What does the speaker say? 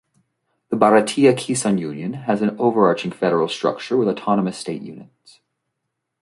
The Bharatiya Kisan Union has an overarching federal structure with autonomous state units.